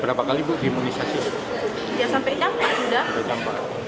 sudah jam empat